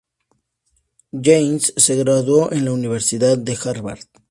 Jansen se graduó en la universidad de Harvard.